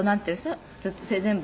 それ全部。